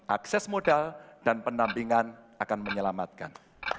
akses modal dan penampingan akan menyelamatkan